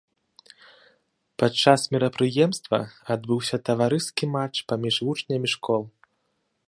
Падчас мерапрыемства адбыўся таварыскі матч паміж вучнямі школ.